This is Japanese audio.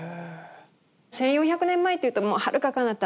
１，４００年前っていうとはるかかなた